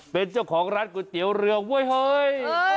เป็นเจ้าของร้านก๋วยเตี๋ยวเรือห้วยเฮ้ย